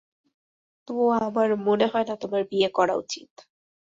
তো, আমার মনে হয় না তোমার বিয়ে করা উচিত।